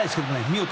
見事！